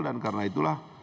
dan karena itulah